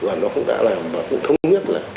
và nó cũng đã làm và cũng thống nhất là